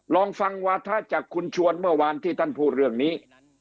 ลองฟังวาถะจากคุณชวนเมื่อวานที่ท่านพูดเรื่องนี้